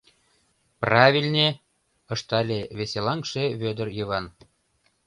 — Правильне! — ыштале веселаҥше Вӧдыр Йыван.